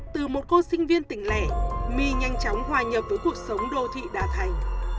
từ một cô sinh viên tỉnh lẻ my nhanh chóng hòa nhập với cuộc sống đô thị đà thành